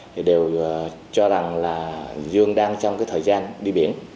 thì đều cho rằng là dương đang trong cái thời gian đi biển